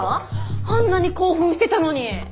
あんなに興奮してたのに。